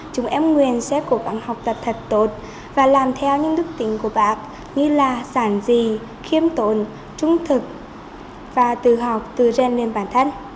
chúng em nguyện xếp của bạn học tập thật tốt và làm theo những đức tính của bạn như là sản dì khiêm tồn trung thực và từ học từ rèn lên bản thân